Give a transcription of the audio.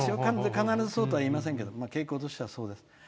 必ずそうとはいえませんけど傾向としてはそうです。